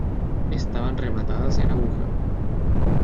Estaban rematadas en aguja.